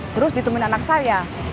terus ditemuin anak saya